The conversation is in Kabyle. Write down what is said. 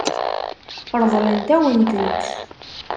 Ṛeḍlent-awen-tent.